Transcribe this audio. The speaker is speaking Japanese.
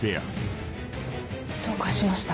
どうかしました？